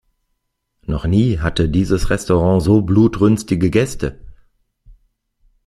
Noch nie hatte dieses Restaurant so blutrünstige Gäste.